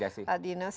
terima kasih desi